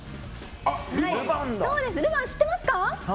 ルヴァン知ってますか。